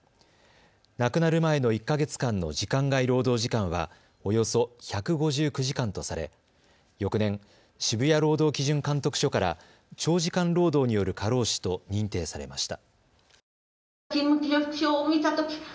亡くなる前の１か月間の時間外労働時間はおよそ１５９時間とされ翌年、渋谷労働基準監督署から長時間労働による過労死と認定されました。